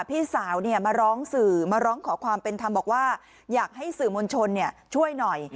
พี่สาวมาร้องสื่อมาร้องขอความเป็นธรรมบอกว่าอยากให้สื่อมวลชนช่วยหน่อย